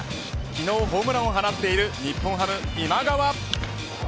昨日、ホームランを放っている日本ハム、今川。